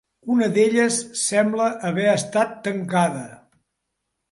Una d'elles sembla haver estat tancada.